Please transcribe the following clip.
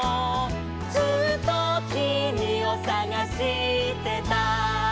「ずっときみをさがしてた」